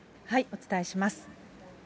お伝えします。